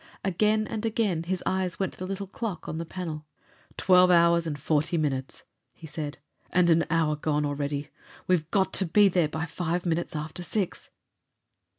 Again and again his eyes went to the little clock on the panel. "Twelve hours and forty minutes," he said. "And an hour gone already! We're got to be there by five minutes after six."